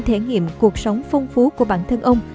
thể nghiệm cuộc sống phong phú của bản thân ông